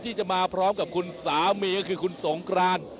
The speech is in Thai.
ที่จะมาพร้อมกับคุณสามีก็คือคุณสงกราน